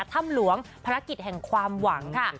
ถ้ำหลวงภารกิจแห่งความหวังค่ะ